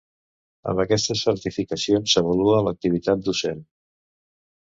Amb aquestes certificacions s'avalua l'activitat docent.